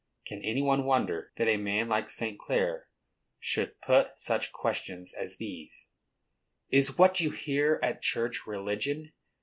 Can any one wonder that a man like St. Clare should put such questions as these? "Is what you hear at church religion?